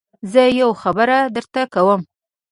زه يوه خبره درته کوم.